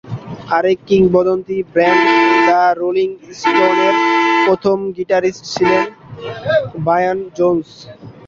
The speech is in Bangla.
আরেক কিংবদন্তি ব্যান্ড দ্য রোলিং স্টোনসের প্রথম গিটারিস্ট ছিলেন ব্রায়ান জোন্স।